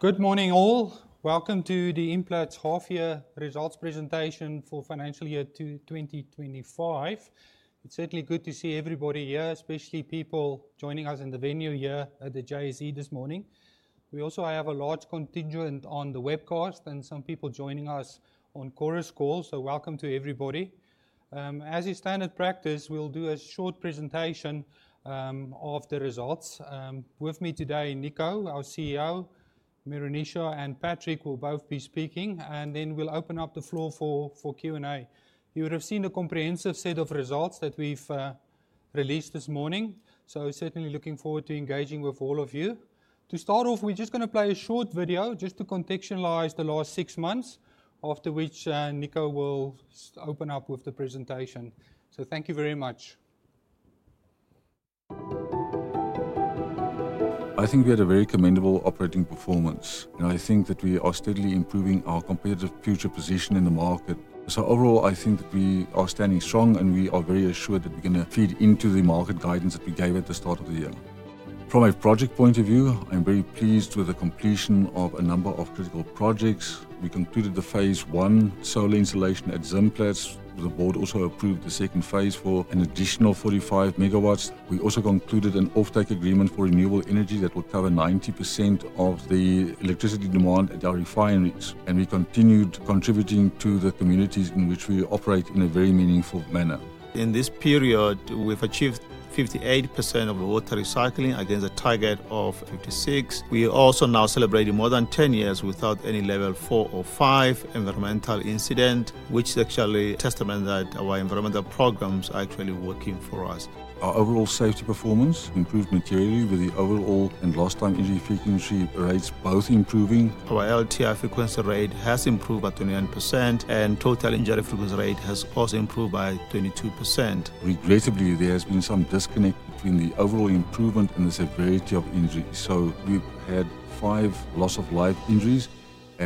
Good morning, all. Welcome to the Implats' half-year results presentation for financial year 2025. It's certainly good to see everybody here, especially people joining us in the venue here at the JSE this morning. We also have a large contingent on the webcast and some people joining us on Chorus Call, so welcome to everybody. As is standard practice, we'll do a short presentation of the results. With me today, Nico, our CEO, Meroonisha, and Patrick will both be speaking, and then we'll open up the floor for Q&A. You would have seen a comprehensive set of results that we've released this morning, so certainly looking forward to engaging with all of you. To start off, we're just going to play a short video just to contextualize the last six months, after which Nico will open up with the presentation. So thank you very much. I think we had a very commendable operating performance, and I think that we are steadily improving our competitive future position in the market. So overall, I think that we are standing strong, and we are very assured that we're going to feed into the market guidance that we gave at the start of the year. From a project point of view, I'm very pleased with the completion of a number of critical projects. We concluded phase I solar installation at Zimplats. The board also approved the second phase for an additional 45 MW. We also concluded an off-take agreement for renewable energy that will cover 90% of the electricity demand at our refineries, and we continued contributing to the communities in which we operate in a very meaningful manner. In this period, we've achieved 58% of water recycling against a target of 56%. We are also now celebrating more than 10 years without any level four or five environmental incident, which is actually a testament that our environmental programs are actually working for us. Our overall safety performance improved materially with the overall and lost-time injury frequency rates both improving. Our LTI frequency rate has improved by 29%, and total injury frequency rate has also improved by 22%. Regrettably, there has been some disconnect between the overall improvement and the severity of injury. So we've had five loss-of-life injuries,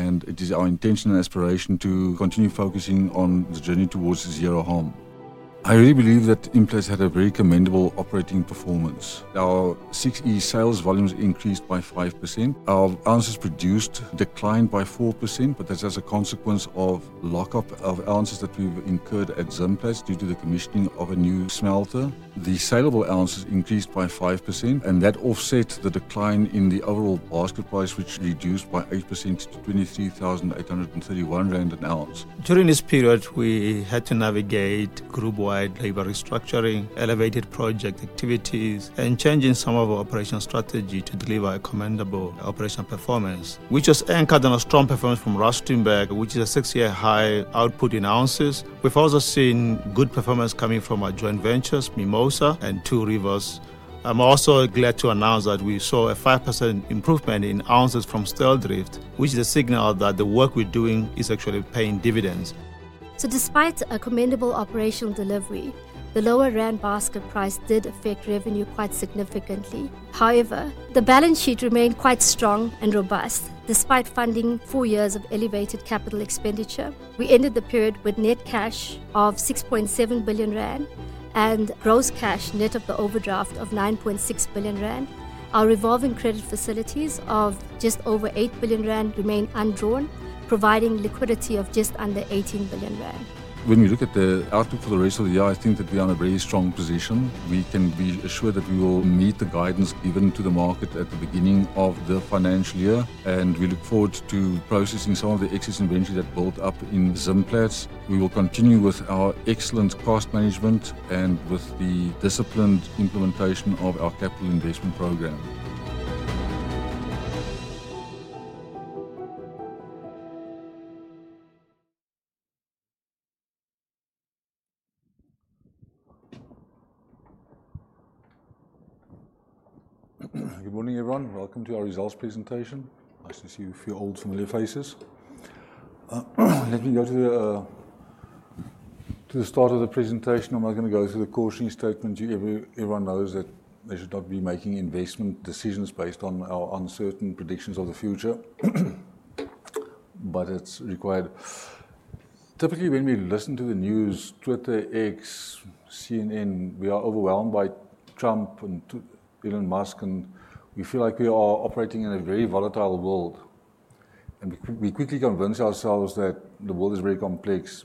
and it is our intention and aspiration to continue focusing on the journey towards zero harm. I really believe that Implats had a very commendable operating performance. Our this year sales volumes increased by 5%. Our ounces produced declined by 4%, but that's as a consequence of the lock-up of ounces that we've incurred at Zimplats due to the commissioning of a new smelter. The sale of ounces increased by 5%, and that offset the decline in the overall basket price, which reduced by 8% to 23,831 rand an ounce. During this period, we had to navigate group-wide labor restructuring, elevated project activities, and changing some of our operational strategy to deliver a commendable operational performance, which was anchored on a strong performance from Rustenburg, which is a six-year high output in ounces. We've also seen good performance coming from our joint ventures, Mimosa and Two Rivers. I'm also glad to announce that we saw a 5% improvement in ounces from Styldrift, which is a signal that the work we're doing is actually paying dividends. So despite a commendable operational delivery, the lower rand basket price did affect revenue quite significantly. However, the balance sheet remained quite strong and robust. Despite funding four years of elevated capital expenditure, we ended the period with net cash of 6.7 billion rand and gross cash net of the overdraft of 9.6 billion rand. Our revolving credit facilities of just over 8 billion rand remain undrawn, providing liquidity of just under 18 billion rand. When we look at the outlook for the rest of the year, I think that we are in a very strong position. We can be assured that we will meet the guidance given to the market at the beginning of the financial year, and we look forward to processing some of the excess inventory that built up in Zimplats. We will continue with our excellent cost management and with the disciplined implementation of our capital investment program. Good morning, everyone. Welcome to our results presentation. Nice to see a few old familiar faces. Let me go to the start of the presentation. I'm not going to go through the cautionary statement. Everyone knows that they should not be making investment decisions based on our uncertain predictions of the future, but it's required. Typically, when we listen to the news, Twitter, X, CNN, we are overwhelmed by Trump and Elon Musk, and we feel like we are operating in a very volatile world, and we quickly convince ourselves that the world is very complex,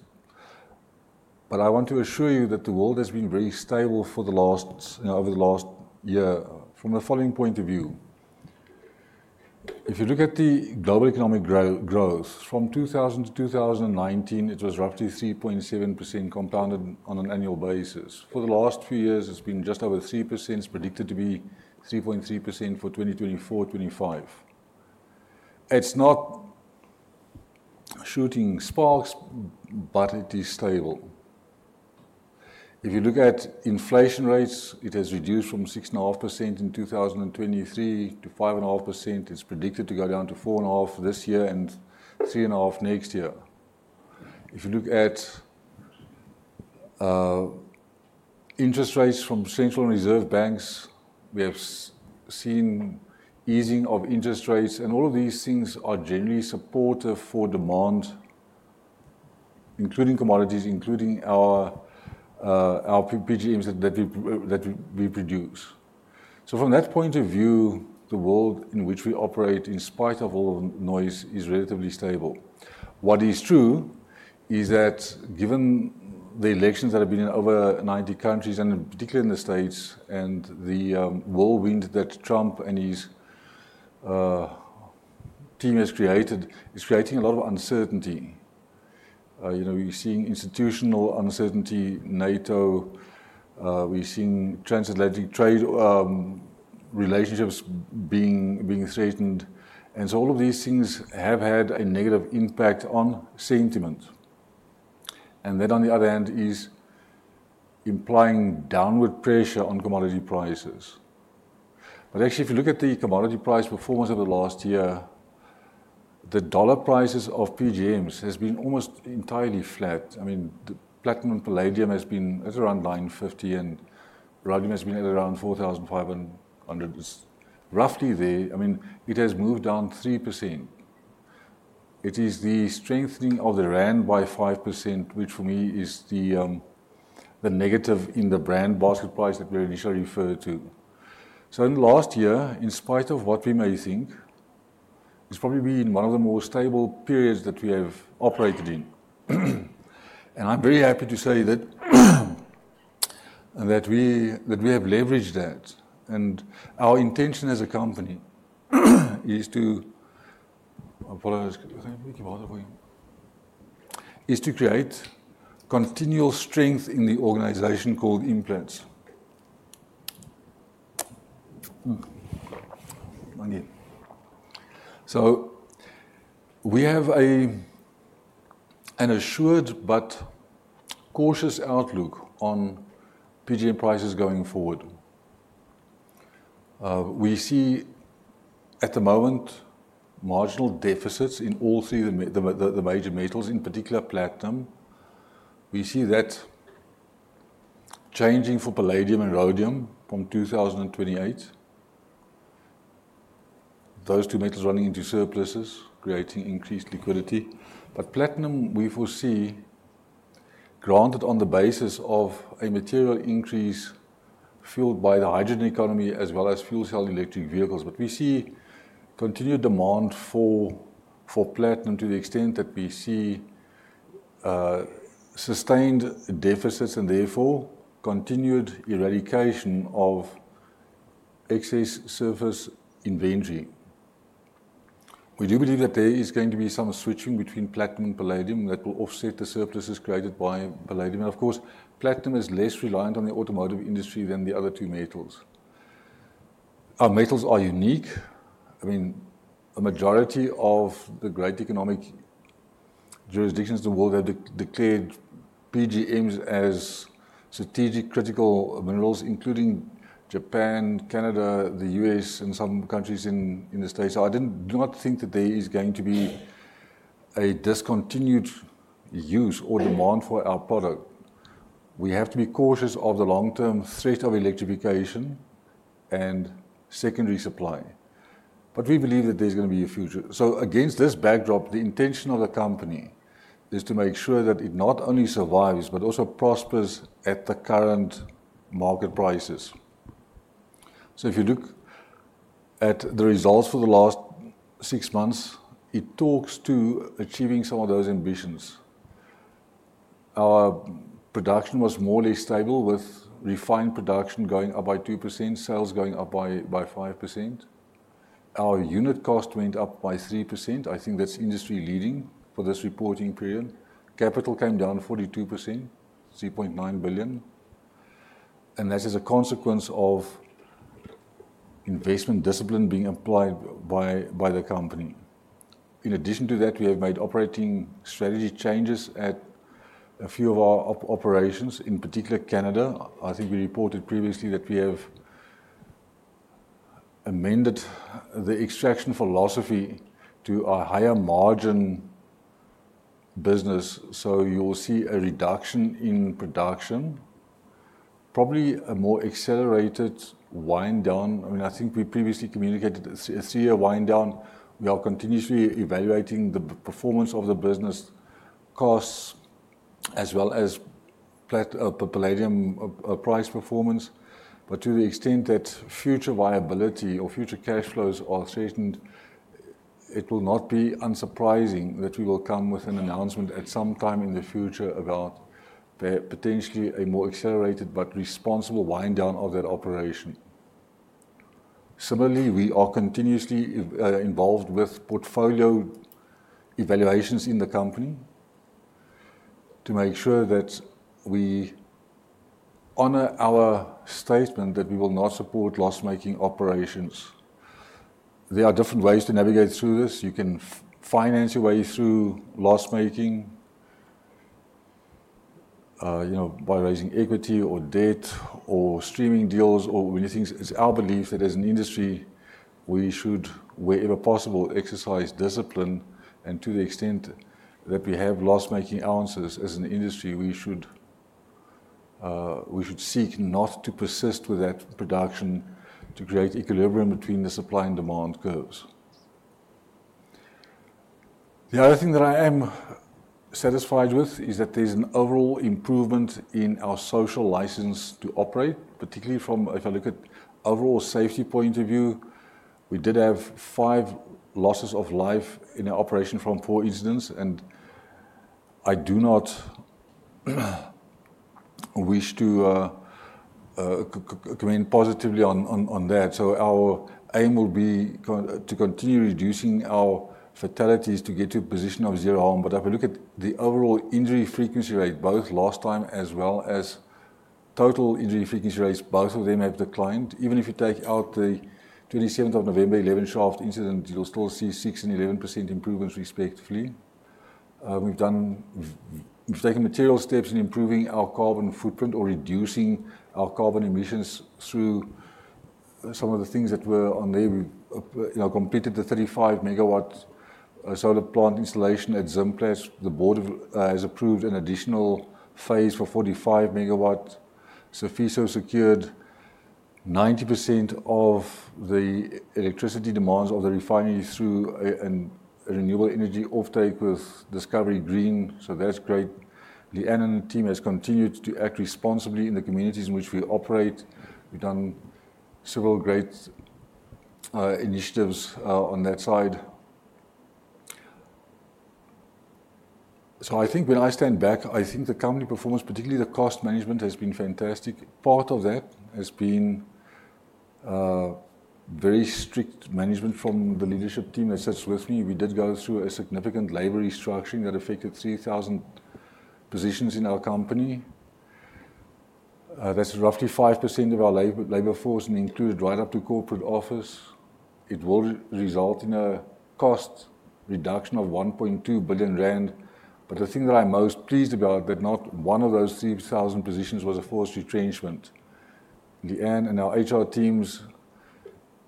but I want to assure you that the world has been very stable for the last, over the last year, from the following point of view. If you look at the global economic growth, from 2000 to 2019, it was roughly 3.7% compounded on an annual basis. For the last few years, it's been just over 3%, predicted to be 3.3% for 2024-2025. It's not shooting sparks, but it is stable. If you look at inflation rates, it has reduced from 6.5% in 2023 to 5.5%. It's predicted to go down to 4.5% this year and 3.5% next year. If you look at interest rates from central and reserve banks, we have seen easing of interest rates, and all of these things are generally supportive for demand, including commodities, including our PGMs that we produce. So from that point of view, the world in which we operate, in spite of all the noise, is relatively stable. What is true is that given the elections that have been in over 90 countries, and particularly in the States, and the whirlwind that Trump and his team have created, it's creating a lot of uncertainty. We're seeing institutional uncertainty, NATO, we're seeing transatlantic trade relationships being threatened. And so all of these things have had a negative impact on sentiment, and that, on the other hand, is implying downward pressure on commodity prices. But actually, if you look at the commodity price performance over the last year, the dollar prices of PGMs have been almost entirely flat. I mean, platinum and palladium has been at around $950, and rhodium has been at around $4,500. It's roughly there. I mean, it has moved down 3%. It is the strengthening of the rand by 5%, which for me is the negative in the brand basket price that we initially referred to. So in the last year, in spite of what we may think, it's probably been one of the more stable periods that we have operated in. And I'm very happy to say that we have leveraged that. And our intention as a company is to create continual strength in the organization called Implats. So we have an assured but cautious outlook on PGM prices going forward. We see at the moment marginal deficits in all three of the major metals, in particular Platinum. We see that changing for Palladium and Rhodium from 2028, those two metals running into surpluses, creating increased liquidity. But Platinum, we foresee, granted on the basis of a material increase fueled by the hydrogen economy as well as fuel cell electric vehicles. But we see continued demand for Platinum to the extent that we see sustained deficits and therefore continued eradication of excess surface inventory. We do believe that there is going to be some switching between Platinum and Palladium that will offset the surpluses created by Palladium. And of course, Platinum is less reliant on the automotive industry than the other two metals. Our metals are unique. I mean, a majority of the great economic jurisdictions in the world have declared PGMs as strategic critical minerals, including Japan, Canada, the U.S., and some countries in the States. So I do not think that there is going to be a discontinued use or demand for our product. We have to be cautious of the long-term threat of electrification and secondary supply. But we believe that there's going to be a future. So against this backdrop, the intention of the company is to make sure that it not only survives, but also prospers at the current market prices. So if you look at the results for the last six months, it talks to achieving some of those ambitions. Our production was more or less stable, with refined production going up by 2%, sales going up by 5%. Our unit cost went up by 3%. I think that's industry-leading for this reporting period. Capital came down 42%, 3.9 billion. That is a consequence of investment discipline being applied by the company. In addition to that, we have made operating strategy changes at a few of our operations, in particular Canada. I think we reported previously that we have amended the extraction philosophy to a higher margin business. You will see a reduction in production, probably a more accelerated wind down. I mean, I think we previously communicated a three-year wind down. We are continuously evaluating the performance of the business costs as well as palladium price performance. To the extent that future viability or future cash flows are threatened, it will not be unsurprising that we will come with an announcement at some time in the future about potentially a more accelerated but responsible wind down of that operation. Similarly, we are continuously involved with portfolio evaluations in the company to make sure that we honor our statement that we will not support loss-making operations. There are different ways to navigate through this. You can finance your way through loss-making by raising equity or debt or streaming deals or many things. It's our belief that as an industry, we should, wherever possible, exercise discipline. And to the extent that we have loss-making allowances as an industry, we should seek not to persist with that production to create equilibrium between the supply and demand curves. The other thing that I am satisfied with is that there's an overall improvement in our social license to operate, particularly from, if I look at an overall safety point of view, we did have five losses of life in our operation from four incidents, and I do not wish to comment positively on that. So our aim will be to continue reducing our fatalities to get to a position of zero harm. But if we look at the overall injury frequency rate, both lost-time as well as total injury frequency rates, both of them have declined. Even if you take out the 27th of November 11 shaft incident, you'll still see 6% and 11% improvements, respectively. We've taken material steps in improving our carbon footprint or reducing our carbon emissions through some of the things that were on there. We completed the 35 MW solar plant installation at Zimplats. The board has approved an additional phase for 45 MW. Sifiso secured 90% of the electricity demands of the refinery through a renewable energy off-take with Discovery Green. So that's great. The Impala team has continued to act responsibly in the communities in which we operate. We've done several great initiatives on that side. So I think when I stand back, I think the company performance, particularly the cost management, has been fantastic. Part of that has been very strict management from the leadership team that sits with me. We did go through a significant labor restructuring that affected 3,000 positions in our company. That's roughly 5% of our labor force and included right up to corporate office. It will result in a cost reduction of 1.2 billion rand. But the thing that I'm most pleased about, that not one of those 3,000 positions was a forced retrenchment. Adelle and our HR teams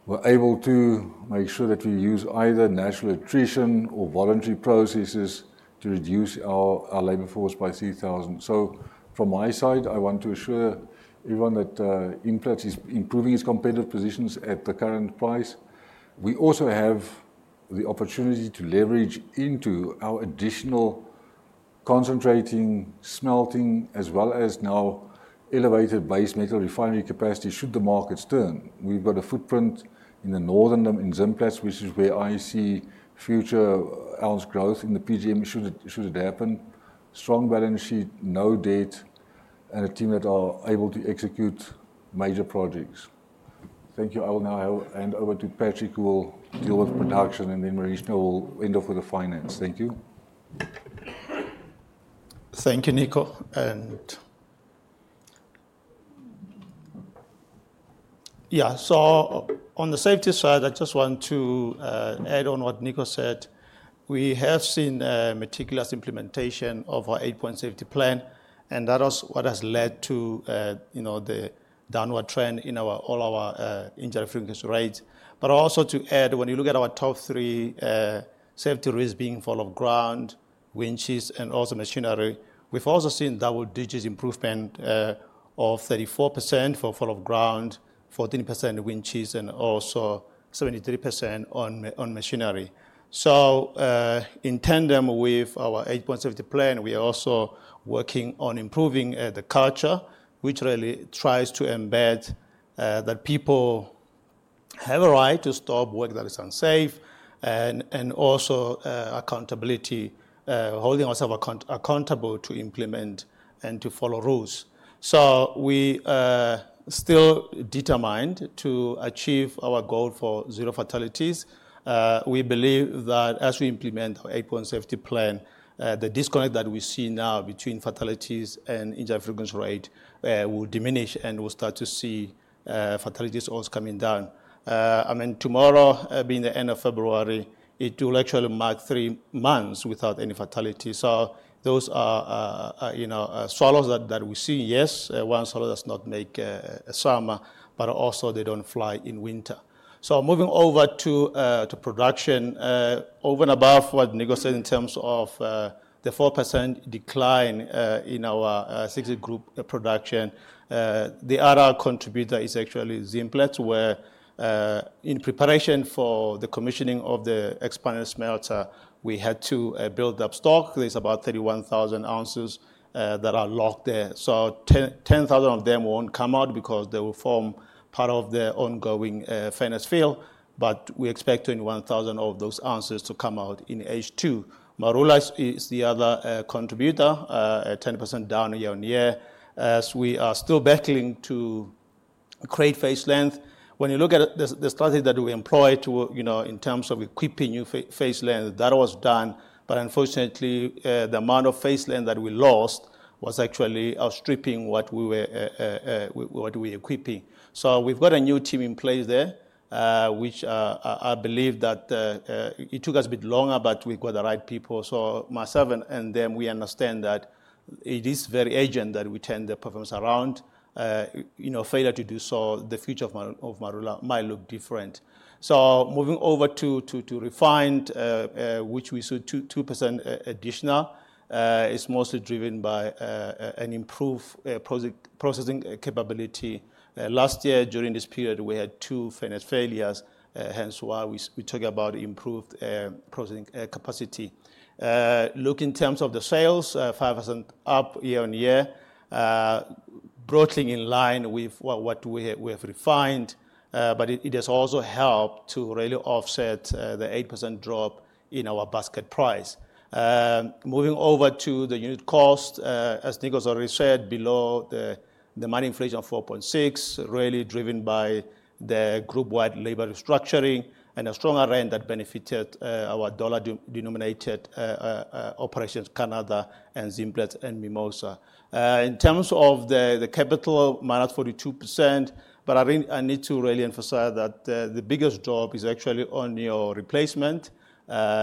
were able to make sure that we use either natural attrition or voluntary processes to reduce our labor force by 3,000. So from my side, I want to assure everyone that Implats is improving its competitive positions at the current price. We also have the opportunity to leverage into our additional concentrate and smelting as well as now elevated base metal refinery capacity should the markets turn. We've got a footprint in the north, in Zimplats, which is where I see future volume growth in the PGM should it happen. Strong balance sheet, no debt, and a team that are able to execute major projects. Thank you. I will now hand over to Patrick, who will deal with production, and then Meroonisha will end up with the finance. Thank you. Thank you, Nico. And yeah, so on the safety side, I just want to add on what Nico said. We have seen a meticulous implementation of our eight-point safety plan, and that is what has led to the downward trend in all our injury frequency rates. But also to add, when you look at our top three safety risks being fall of ground, winches, and also machinery, we've also seen double digits improvement of 34% for fall of ground, 14% winches, and also 73% on machinery. So in tandem with our eight-point safety plan, we are also working on improving the culture, which really tries to embed that people have a right to stop work that is unsafe, and also accountability, holding ourselves accountable to implement and to follow rules. So we are still determined to achieve our goal for zero fatalities. We believe that as we implement our eight-point safety plan, the disconnect that we see now between fatalities and injury frequency rate will diminish, and we'll start to see fatalities also coming down. I mean, tomorrow being the end of February, it will actually mark three months without any fatalities. So those are swallows that we see. Yes, one swallow does not make a summer, but also they don't fly in winter. So moving over to production, over and above what Nico said in terms of the 4% decline in our six-year group production, the other contributor is actually Zimplats, where in preparation for the commissioning of the expanded smelter, we had to build up stock. There's about 31,000 ounces that are locked there. So 10,000 of them won't come out because they will form part of the ongoing furnace fill. But we expect 21,000 of those ounces to come out in H2. Marula is the other contributor, 10% down year-on-year. As we are still battling to create face length, when you look at the strategy that we employed in terms of equipping new face length, that was done. But unfortunately, the amount of face length that we lost was actually stripping what we were equipping. So we've got a new team in place there, which I believe that it took us a bit longer, but we've got the right people. So myself and them, we understand that it is very urgent that we turn the performance around. Failure to do so, the future of Marula might look different. So moving over to refined, which we saw 2% additional, is mostly driven by an improved processing capability. Last year, during this period, we had two furnace failures. Hence why we talk about improved processing capacity. Look in terms of the sales, 5% up year-on-year, broadly in line with what we have refined. But it has also helped to really offset the 8% drop in our basket price. Moving over to the unit cost, as Nico has already said, below the mine inflation of 4.6%, really driven by the group-wide labor restructuring and a stronger Rand that benefited our dollar-denominated operations, Canada and Zimplats and Mimosa. In terms of the capital, -42%. But I need to really emphasize that the biggest job is actually on your replacement,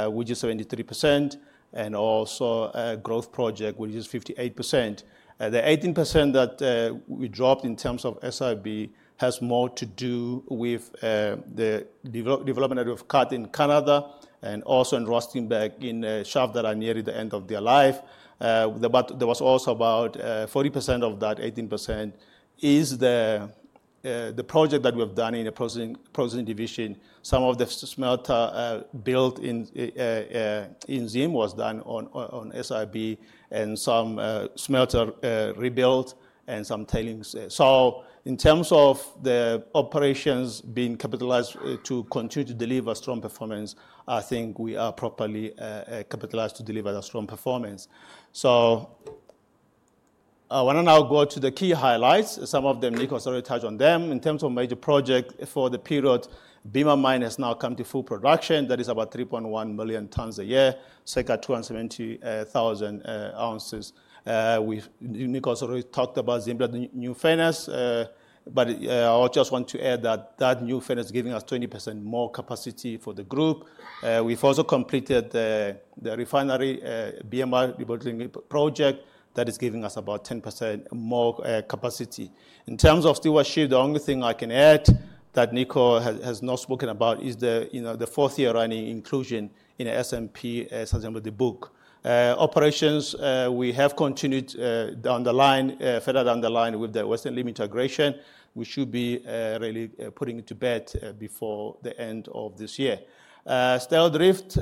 which is 73%, and also a growth project, which is 58%. The 18% that we dropped in terms of SIB has more to do with the development of cut in Canada and also in Rustenburg in a shaft that are nearing the end of their life. But there was also about 40% of that 18% is the project that we have done in a processing division. Some of the smelter built in Zim was done on SIB, and some smelter rebuilt and some tailings. So in terms of the operations being capitalized to continue to deliver strong performance, I think we are properly capitalized to deliver that strong performance. So I want to now go to the key highlights. Some of them, Nico has already touched on them. In terms of major projects for the period, Bimha Mine has now come to full production. That is about 3.1 million tons a year, circa 270,000 ounces. Nico has already talked about Zimplats new furnace, but I just want to add that that new furnace is giving us 20% more capacity for the group. We've also completed the refinery BMR rebuilding project that is giving us about 10% more capacity. In terms of stewardship, the only thing I can add that Nico has not spoken about is the fourth-year running inclusion in S&P, the book. Operations, we have continued further to underline with the Western Limb integration. We should be really putting it to bed before the end of this year. Styldrift,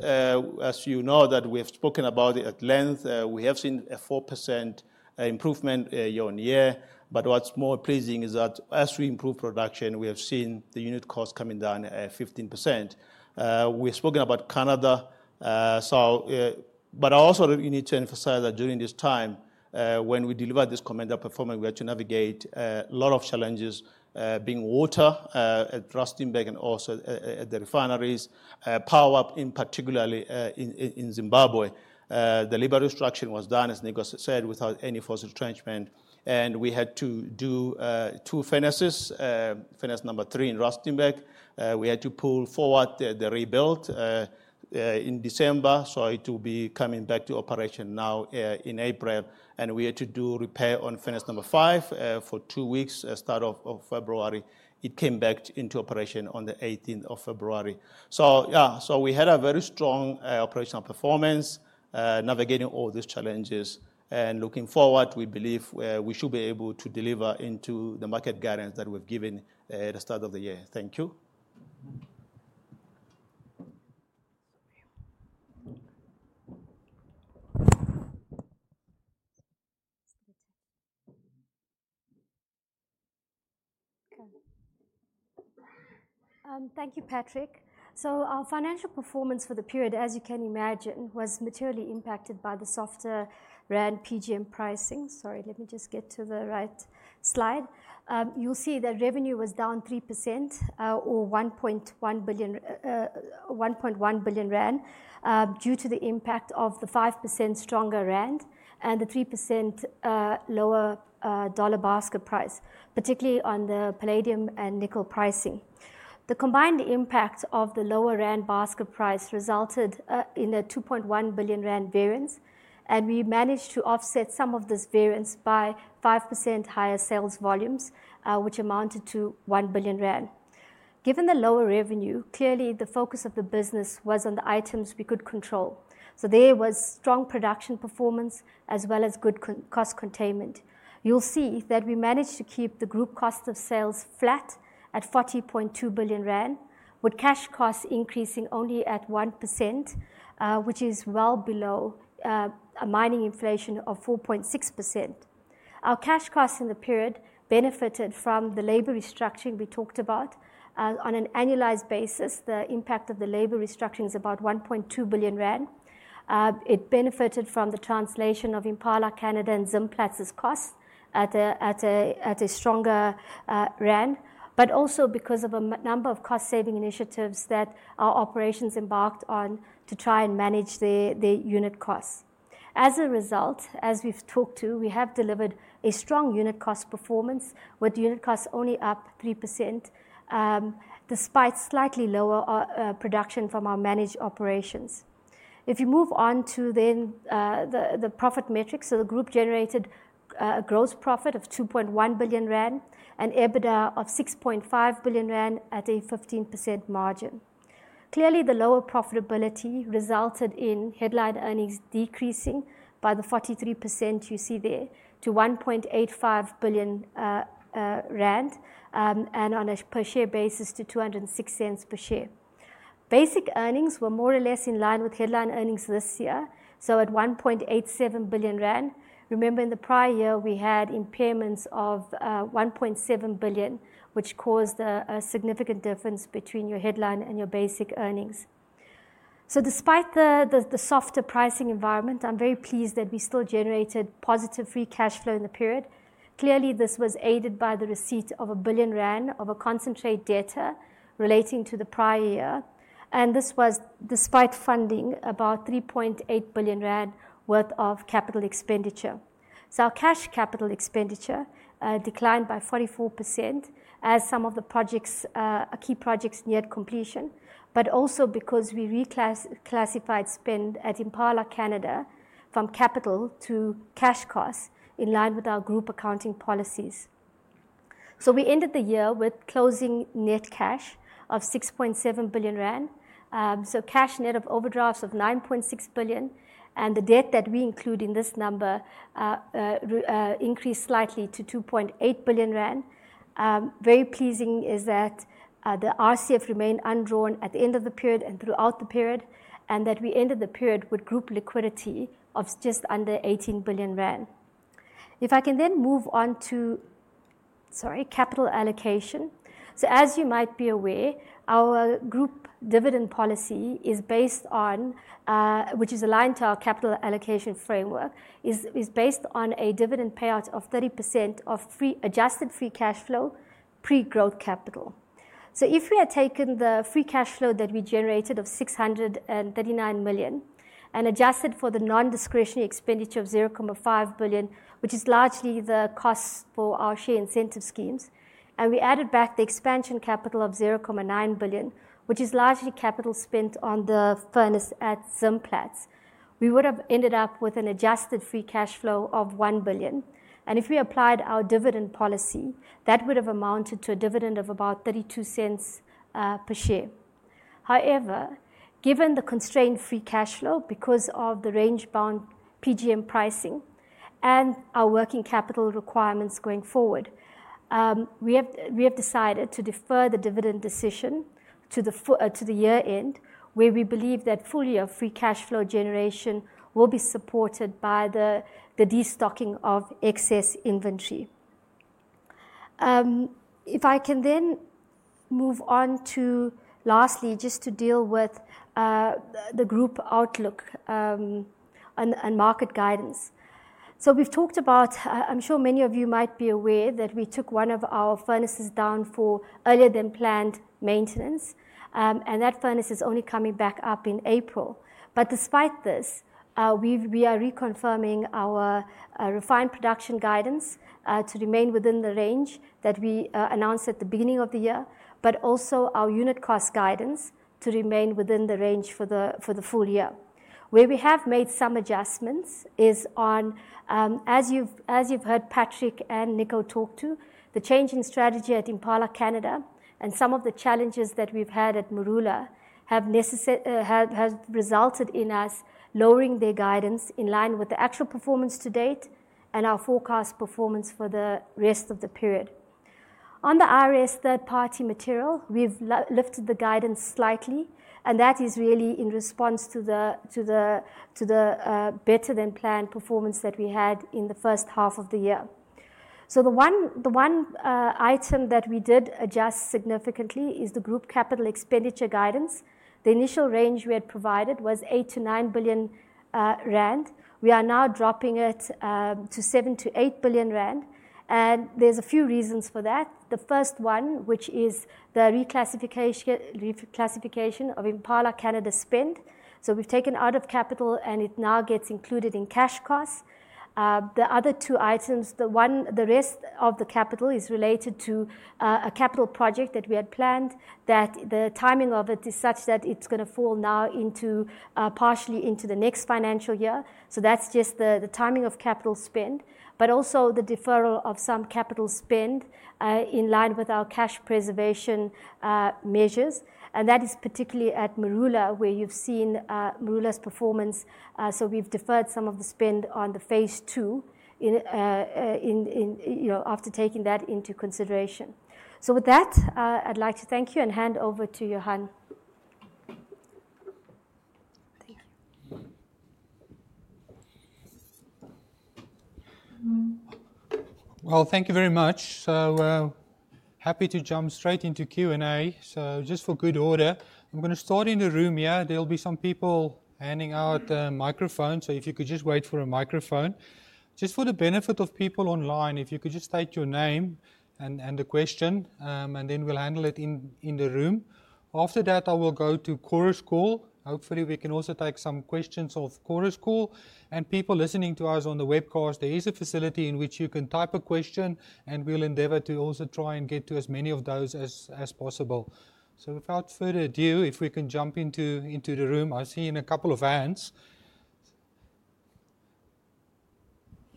as you know that we have spoken about it at length, we have seen a 4% improvement year-on-year. But what's more pleasing is that as we improve production, we have seen the unit cost coming down 15%. We've spoken about Canada. But I also need to emphasize that during this time, when we delivered this commendable performance, we had to navigate a lot of challenges being water at Rustenburg and also at the refineries, power cuts particularly in Zimbabwe. The labor restructuring was done, as Nico said, without any forced retrenchment, and we had to do two furnaces, furnace number three in Rustenburg. We had to pull forward the rebuild in December. So it will be coming back to operation now in April. And we had to do repair on furnace number five for two weeks start of February. It came back into operation on the 18th of February. So yeah, so we had a very strong operational performance, navigating all these challenges. And looking forward, we believe we should be able to deliver into the market guidance that we've given at the start of the year. Thank you. Thank you, Patrick. Our financial performance for the period, as you can imagine, was materially impacted by the softer rand PGM pricing. Sorry, let me just get to the right slide. You'll see that revenue was down 3% or 1.1 billion due to the impact of the 5% stronger rand and the 3% lower dollar basket price, particularly on the palladium and nickel pricing. The combined impact of the lower rand basket price resulted in a 2.1 billion rand variance, and we managed to offset some of this variance by 5% higher sales volumes, which amounted to 1 billion rand. Given the lower revenue, clearly the focus of the business was on the items we could control. So there was strong production performance as well as good cost containment. You'll see that we managed to keep the group cost of sales flat at 40.2 billion rand, with cash costs increasing only at 1%, which is well below a mining inflation of 4.6%. Our cash costs in the period benefited from the labor restructuring we talked about. On an annualized basis, the impact of the labor restructuring is about 1.2 billion rand. It benefited from the translation of Impala Canada and Zimplats's costs at a stronger rand, but also because of a number of cost-saving initiatives that our operations embarked on to try and manage the unit costs. As a result, as we've talked to, we have delivered a strong unit cost performance with unit costs only up 3%, despite slightly lower production from our managed operations. If you move on to then the profit metrics, so the group generated a gross profit of 2.1 billion rand and EBITDA of 6.5 billion rand at a 15% margin. Clearly, the lower profitability resulted in headline earnings decreasing by the 43% you see there to 1.85 billion rand and on a per-share basis to 2.06 per share. Basic earnings were more or less in line with headline earnings this year, so at 1.87 billion rand. Remember, in the prior year, we had impairments of 1.7 billion, which caused a significant difference between your headline and your basic earnings. Despite the softer pricing environment, I'm very pleased that we still generated positive free cash flow in the period. Clearly, this was aided by the receipt of 1 billion rand of a concentrate debt relating to the prior year. This was despite funding about 3.8 billion rand worth of capital expenditure. So our cash capital expenditure declined by 44% as some of the projects, key projects neared completion, but also because we reclassified spend at Impala Canada from capital to cash costs in line with our group accounting policies. So we ended the year with closing net cash of 6.7 billion rand. So cash net of overdrafts of 9.6 billion. And the debt that we include in this number increased slightly to 2.8 billion rand. Very pleasing is that the RCF remained undrawn at the end of the period and throughout the period, and that we ended the period with group liquidity of just under 18 billion rand. If I can then move on to, sorry, capital allocation. As you might be aware, our group dividend policy is based on, which is aligned to our capital allocation framework, is based on a dividend payout of 30% of adjusted free cash flow, pre-growth capital. If we had taken the free cash flow that we generated of 639 million and adjusted for the non-discretionary expenditure of 0.5 billion, which is largely the costs for our share incentive schemes, and we added back the expansion capital of 0.9 billion, which is largely capital spent on the furnace at Zimplats, we would have ended up with an adjusted free cash flow of 1 billion. If we applied our dividend policy, that would have amounted to a dividend of about 0.32 per share. However, given the constrained free cash flow because of the range-bound PGM pricing and our working capital requirements going forward, we have decided to defer the dividend decision to the year end, where we believe that full year free cash flow generation will be supported by the destocking of excess inventory. If I can then move on to lastly, just to deal with the group outlook and market guidance. So we've talked about, I'm sure many of you might be aware that we took one of our furnaces down for earlier than planned maintenance, and that furnace is only coming back up in April. But despite this, we are reconfirming our refined production guidance to remain within the range that we announced at the beginning of the year, but also our unit cost guidance to remain within the range for the full year. Where we have made some adjustments is on, as you've heard Patrick and Nico talk to, the change in strategy at Impala Canada and some of the challenges that we've had at Marula have resulted in us lowering their guidance in line with the actual performance to date and our forecast performance for the rest of the period. On the IRS third-party material, we've lifted the guidance slightly, and that is really in response to the better than planned performance that we had in the first half of the year. So the one item that we did adjust significantly is the group capital expenditure guidance. The initial range we had provided was 8 billion-9 billion rand. We are now dropping it to 7 billion-8 billion rand. And there's a few reasons for that. The first one, which is the reclassification of Impala Canada spend. So we've taken out of capital, and it now gets included in cash costs. The other two items, the rest of the capital is related to a capital project that we had planned that the timing of it is such that it's going to fall now partially into the next financial year. So that's just the timing of capital spend, but also the deferral of some capital spend in line with our cash preservation measures. And that is particularly at Marula, where you've seen Marula's performance. So we've deferred some of the spend on the phase II after taking that into consideration. So with that, I'd like to thank you and hand over to Johan. Thank you. Thank you very much. Happy to jump straight into Q&A. Just for good order, I'm going to start in the room here. There'll be some people handing out microphones, so if you could just wait for a microphone. Just for the benefit of people online, if you could just state your name and the question, and then we'll handle it in the room. After that, I will go to Chorus Call. Hopefully, we can also take some questions of Chorus Call. People listening to us on the webcast, there is a facility in which you can type a question, and we'll endeavor to also try and get to as many of those as possible. Without further ado, if we can jump into the room, I see a couple of hands.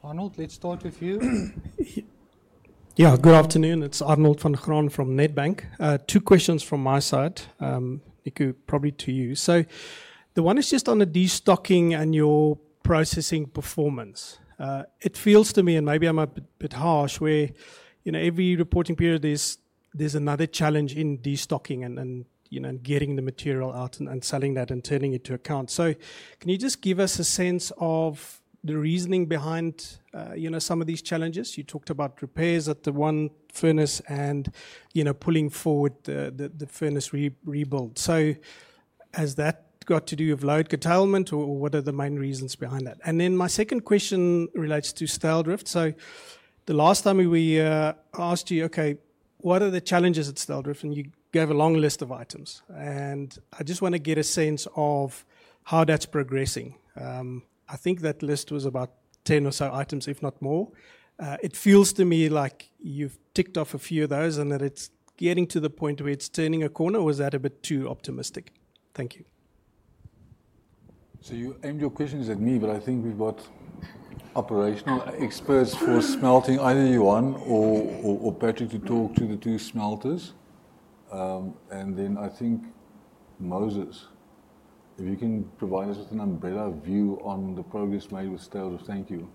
Arnold, let's start with you. Yeah, good afternoon. It's Arnold van Graan from Nedbank. Two questions from my side. Nico, probably to you. So the one is just on the destocking and your processing performance. It feels to me, and maybe I'm a bit harsh, where every reporting period, there's another challenge in destocking and getting the material out and selling that and turning it to account. So can you just give us a sense of the reasoning behind some of these challenges? You talked about repairs at the one furnace and pulling forward the furnace rebuild. So has that got to do with load curtailment, or what are the main reasons behind that? And then my second question relates to Styldrift. So the last time we asked you, okay, what are the challenges at Styldrift, and you gave a long list of items. I just want to get a sense of how that's progressing. I think that list was about 10 or so items, if not more. It feels to me like you've ticked off a few of those and that it's getting to the point where it's turning a corner. Was that a bit too optimistic? Thank you. So you aimed your questions at me, but I think we've got operational experts for smelting. Either you want or Patrick to talk to the two smelters. And then I think Moses, if you can provide us with an umbrella view on the progress made with Styldrift. Thank you.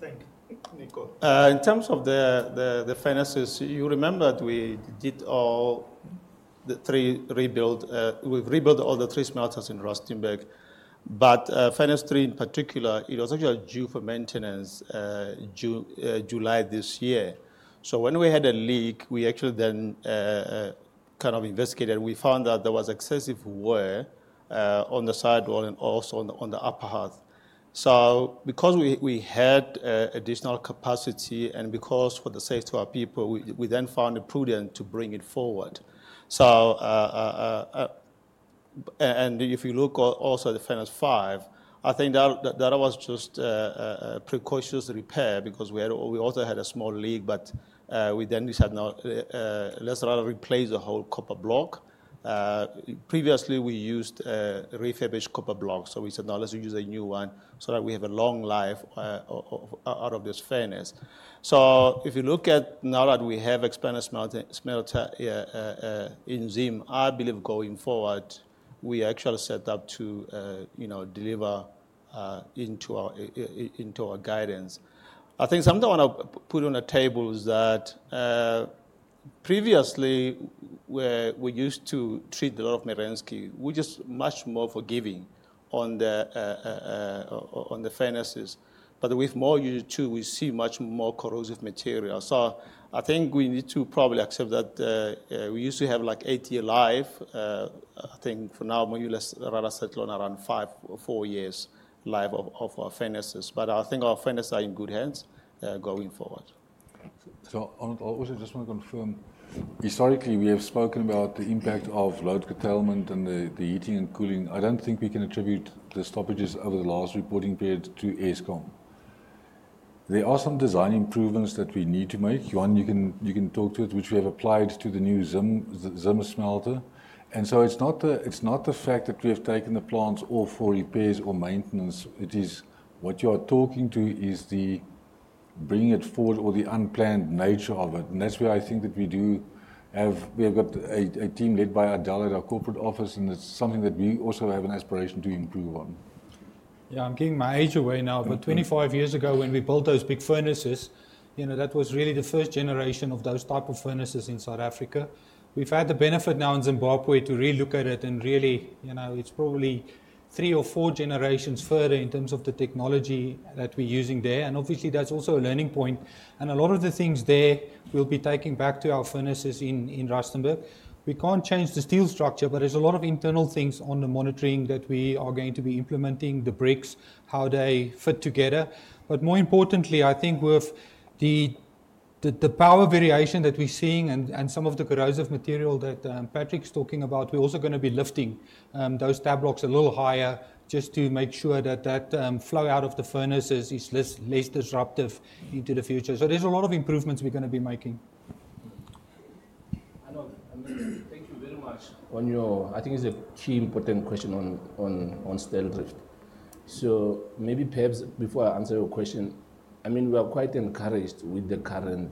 Thank you. Nico. In terms of the furnaces, you remembered we did all the three rebuild. We've rebuilt all the three smelters in Rustenburg. But furnace three in particular, it was actually due for maintenance July this year. So when we had a leak, we actually then kind of investigated. We found that there was excessive wear on the sidewall and also on the upper half. So because we had additional capacity and because for the sake of our people, we then found it prudent to bring it forward. And if you look also at the furnace five, I think that was just a precautionary repair because we also had a small leak, but we then decided to replace the whole copper block. Previously, we used refurbished copper blocks. So we said, no, let's use a new one so that we have a long life out of this furnace. So, if you look at now that we have expanded smelter in Zim, I believe going forward, we actually set up to deliver into our guidance. I think something I want to put on the table is that previously, we used to treat a lot of Merensky. We're just much more forgiving on the furnaces. But with UG2, we see much more corrosive material. So I think we need to probably accept that we used to have like eight-year life. I think for now, we would rather settle on around five or four years' life of our furnaces. But I think our furnaces are in good hands going forward. So Arnold, I also just want to confirm. Historically, we have spoken about the impact of load curtailment and the heating and cooling. I don't think we can attribute the stoppages over the last reporting period to Eskom. There are some design improvements that we need to make. One, you can talk to it, which we have applied to the new Zim smelter. And so it's not the fact that we have taken the plans all for repairs or maintenance. It is what you are talking to is the bringing it forward or the unplanned nature of it. And that's where I think that we do have a team led by Adelle at our corporate office, and it's something that we also have an aspiration to improve on. Yeah, I'm giving my age away now, but 25 years ago, when we built those big furnaces, that was really the first generation of those type of furnaces in South Africa. We've had the benefit now in Zimbabwe to relook at it and really, it's probably three or four generations further in terms of the technology that we're using there. And obviously, that's also a learning point. And a lot of the things there we'll be taking back to our furnaces in Rustenburg. We can't change the steel structure, but there's a lot of internal things on the monitoring that we are going to be implementing, the bricks, how they fit together. But more importantly, I think with the power variation that we're seeing and some of the corrosive material that Patrick's talking about, we're also going to be lifting those tab blocks a little higher just to make sure that that flow out of the furnace is less disruptive into the future. So there's a lot of improvements we're going to be making. Arnold, thank you very much. On your, I think it's a key important question on Styldrift. So maybe perhaps before I answer your question, I mean, we are quite encouraged with the current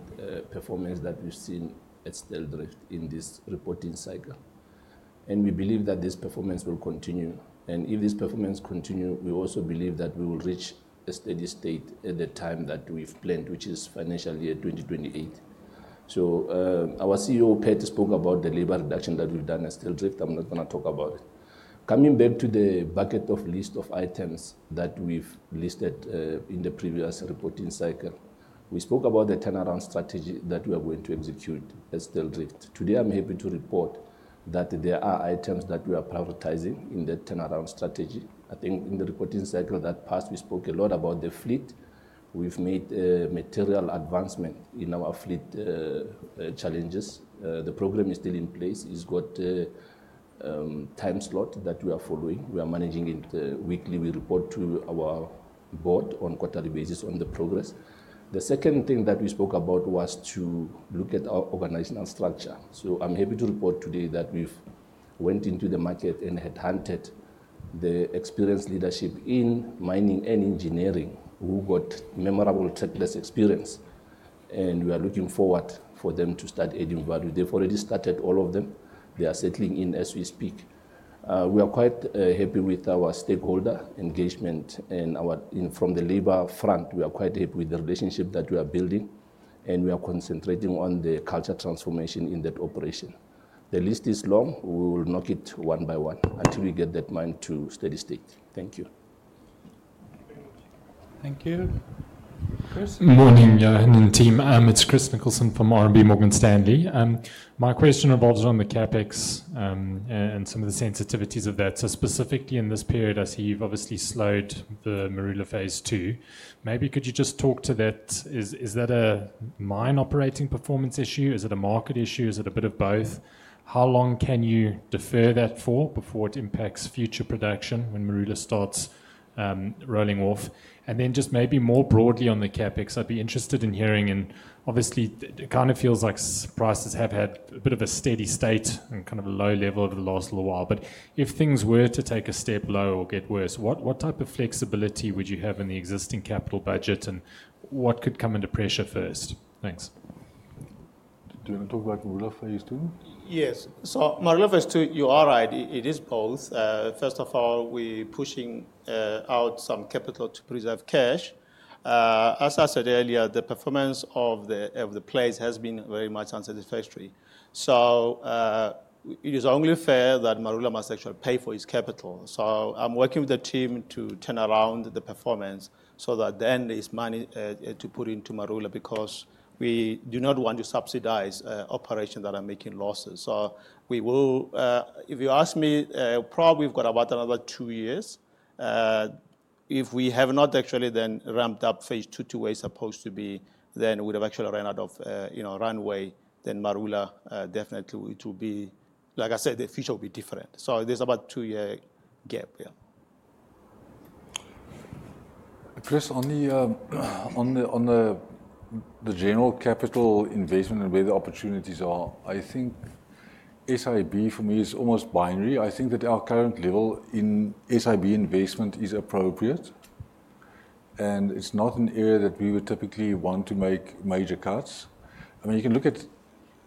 performance that we've seen at Styldrift in this reporting cycle. And we believe that this performance will continue. And if this performance continues, we also believe that we will reach a steady state at the time that we've planned, which is financial year 2028. So our CEO, Nico, spoke about the labor reduction that we've done at Styldrift. I'm not going to talk about it. Coming back to the bucket of list of items that we've listed in the previous reporting cycle, we spoke about the turnaround strategy that we are going to execute at Styldrift. Today, I'm happy to report that there are items that we are prioritizing in the turnaround strategy. I think in the reporting cycle that passed, we spoke a lot about the fleet. We've made material advancement in our fleet challenges. The program is still in place. It's got a time slot that we are following. We are managing it weekly. We report to our board on quarterly basis on the progress. The second thing that we spoke about was to look at our organizational structure, so I'm happy to report today that we've went into the market and had hunted the experienced leadership in mining and engineering who got memorable trackless experience, and we are looking forward for them to start adding value. They've already started all of them. They are settling in as we speak. We are quite happy with our stakeholder engagement, and from the labor front, we are quite happy with the relationship that we are building. We are concentrating on the culture transformation in that operation. The list is long. We will knock it one by one until we get that mine to steady state. Thank you. Thank you. Good morning, team, and it's Chris Nicholson from RMB Morgan Stanley. My question revolves on the CapEx and some of the sensitivities of that. So specifically in this period, I see you've obviously slowed the Marula phase II. Maybe could you just talk to that? Is that a mine operating performance issue? Is it a market issue? Is it a bit of both? How long can you defer that for before it impacts future production when Marula starts rolling off? And then just maybe more broadly on the CapEx, I'd be interested in hearing. And obviously, it kind of feels like prices have had a bit of a steady state and kind of a low level over the last little while. But if things were to take a step low or get worse, what type of flexibility would you have in the existing capital budget and what could come under pressure first? Thanks. Do you want to talk about Marula phase II? Yes. So Marula phase II, you're right. It is both. First of all, we're pushing out some capital to preserve cash. As I said earlier, the performance of the place has been very much unsatisfactory. So it is only fair that Marula must actually pay for its capital. So I'm working with the team to turn around the performance so that then it's money to put into Marula because we do not want to subsidize operations that are making losses. So if you ask me, probably we've got about another two years. If we have not actually then ramped up phase II the way it's supposed to be, then we'd have actually run out of runway, then Marula definitely will be like I said, the future will be different. So there's about a two-year gap here. Chris, on the general capital investment and where the opportunities are, I think SIB for me is almost binary. I think that our current level in SIB investment is appropriate, and it's not an area that we would typically want to make major cuts. I mean, you can look at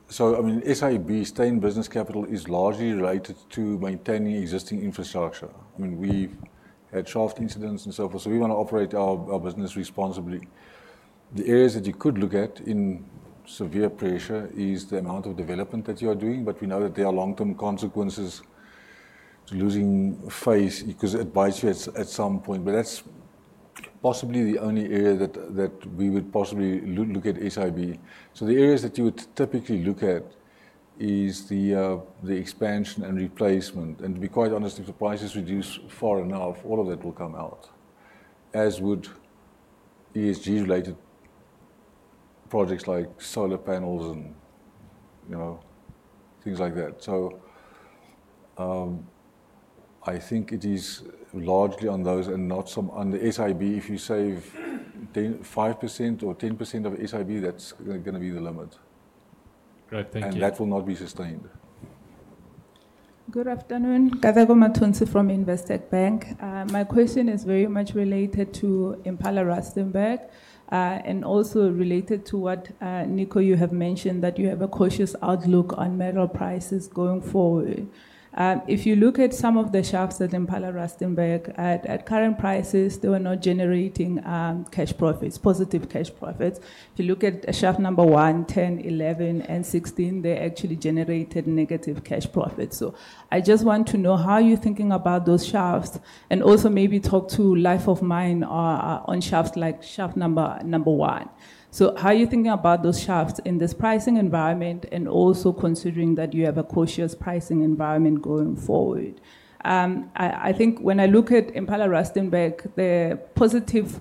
SIB, stay-in-business capital is largely related to maintaining existing infrastructure. I mean, we had shaft incidents and so forth, so we want to operate our business responsibly. The areas that you could look at in severe pressure is the amount of development that you are doing, but we know that there are long-term consequences to losing phase because it bites you at some point, but that's possibly the only area that we would possibly look at SIB, so the areas that you would typically look at is the expansion and replacement. To be quite honest, if the prices reduce far enough, all of that will come out, as would ESG-related projects like solar panels and things like that. I think it is largely on those and not some on the SIB. If you save 5% or 10% of SIB, that's going to be the limit. Great. Thank you. That will not be sustained. Good afternoon. Nkateko Mathonsi from Investec Bank. My question is very much related to Impala Rustenburg and also related to what Nico, you have mentioned that you have a cautious outlook on metal prices going forward. If you look at some of the shafts at Impala Rustenburg, at current prices, they were not generating cash profits, positive cash profits. If you look at shaft number one, 10, 11, and 16, they actually generated negative cash profits. So I just want to know how you're thinking about those shafts and also maybe talk to life of mine on shafts like shaft number one. So how are you thinking about those shafts in this pricing environment and also considering that you have a cautious pricing environment going forward? I think when I look at Impala Rustenburg, the positive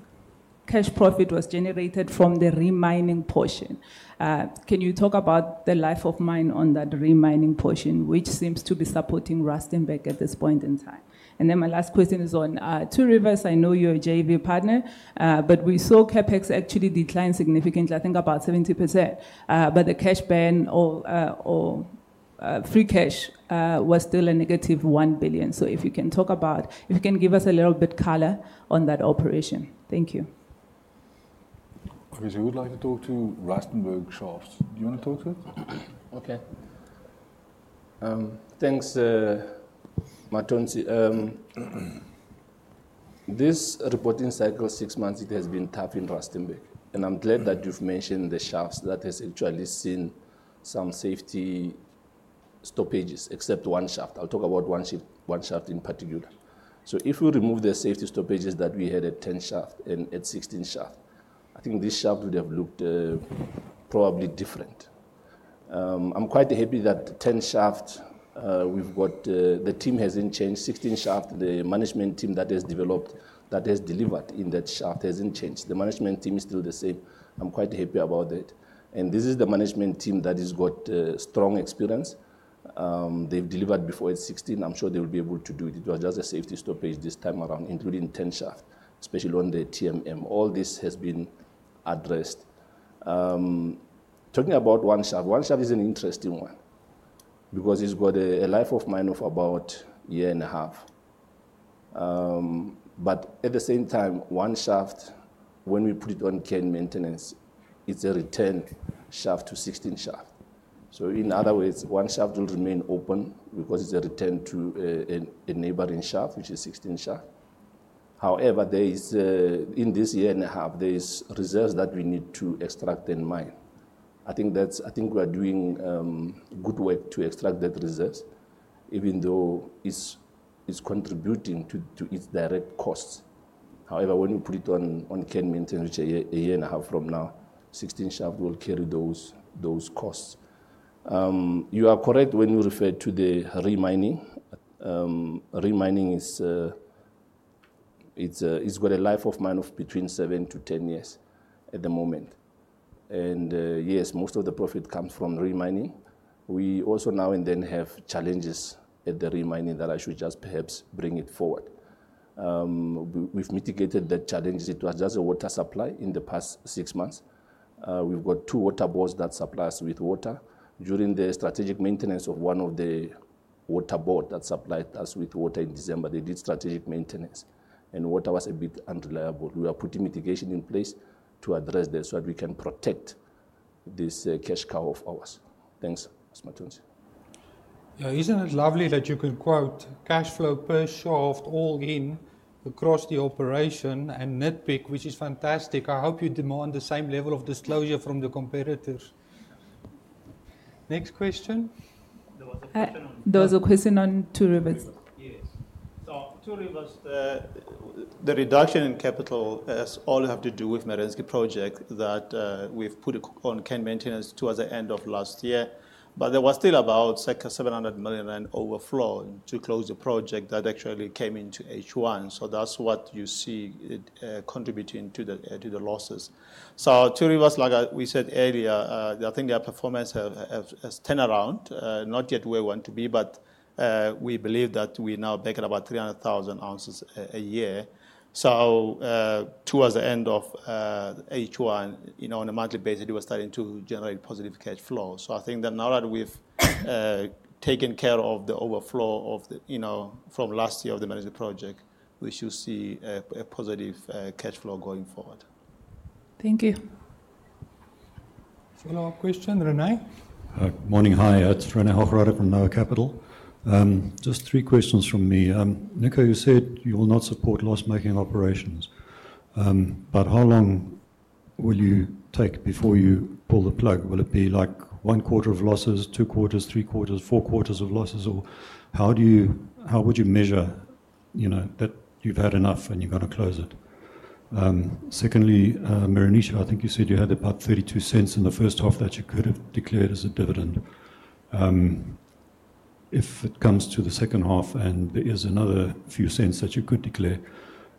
cash profit was generated from the remining portion. Can you talk about the life of mine on that re-mining portion, which seems to be supporting Rustenburg at this point in time? And then my last question is on Two Rivers. I know you're a JV partner, but we saw CapEx actually decline significantly, I think about 70%. But the cash burn or free cash was still a negative 1 billion. So if you can talk about, if you can give us a little bit color on that operation. Thank you. Okay. So we'd like to talk to Rustenburg shafts. Do you want to talk to it? Okay. Thanks, Mathonsi. This reporting cycle, six months, it has been tough in Rustenburg. And I'm glad that you've mentioned the shafts that has actually seen some safety stoppages, except one shaft. I'll talk about one shaft in particular. So if we remove the safety stoppages that we had at 10 shaft and at 16 shaft, I think this shaft would have looked probably different. I'm quite happy that 10 shaft, we've got the team hasn't changed. 16 shaft, the management team that has developed, that has delivered in that shaft hasn't changed. The management team is still the same. I'm quite happy about that. And this is the management team that has got strong experience. They've delivered before at 16. I'm sure they will be able to do it. It was just a safety stoppage this time around, including 10 shaft, especially on the TMM. All this has been addressed. Talking about one shaft, one shaft is an interesting one because it's got a life of mine of about a year and a half. But at the same time, one shaft, when we put it on care and maintenance, it's a return shaft to 16 shaft. So in other words, one shaft will remain open because it's a return to a neighboring shaft, which is 16 shaft. However, in this year and a half, there are reserves that we need to extract and mine. I think we are doing good work to extract that reserve, even though it's contributing to its direct costs. However, when we put it on care and maintenance, which is a year and a half from now, 16 shaft will carry those costs. You are correct when you refer to the re-mining. Remining has got a life of mine of between seven to 10 years at the moment. Yes, most of the profit comes from remining. We also now and then have challenges at the remining that I should just perhaps bring forward. We've mitigated that challenge. It was just a water supply in the past six months. We've got two water boards that supply us with water. During the strategic maintenance of one of the water boards that supplied us with water in December, they did strategic maintenance. Water was a bit unreliable. We are putting mitigation in place to address this so that we can protect this cash cow of ours. Thanks, Mathonsi. Yeah, isn't it lovely that you can quote cash flow per shaft all in across the operation and net PGM, which is fantastic. I hope you demand the same level of disclosure from the competitors. Next question. There was a question on Two Rivers. Yes. So, Two Rivers, the reduction in capital has to do with the Merensky project that we've put on care and maintenance towards the end of last year. But there was still about 700 million in overflow to close the project that actually came into H1. So that's what you see contributing to the losses. So Two Rivers, like we said earlier, I think their performance has turned around. Not yet where we want to be, but we believe that we now back at about 300,000 ounces a year. So towards the end of H1, on a monthly basis, it was starting to generate positive cash flow. So I think that now that we've taken care of the overflow from last year of the Merensky project, we should see a positive cash flow going forward. Thank you. Final question, René? Morning, hi. It's René Hochreiter from NOAH Capital. Just three questions from me. Nico, you said you will not support loss-making operations. But how long will you take before you pull the plug? Will it be like one quarter of losses, two quarters, three quarters, four quarters of losses? Or how would you measure that you've had enough and you're going to close it? Secondly, Meroonisha, I think you said you had about 0.32 in the first half that you could have declared as a dividend. If it comes to the second half and there is another few cents that you could declare,